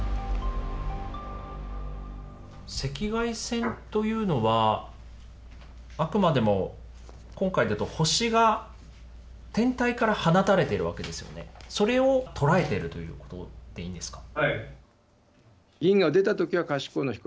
赤外線というのはあくまでも今回でいうと星が天体から放たれてるわけですよね、それを捉えているということでいいんですか。